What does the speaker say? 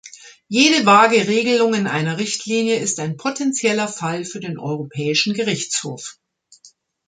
Jede vage Regelung in einer Richtlinie ist ein potenzieller Fall für den Europäischen Gerichtshof.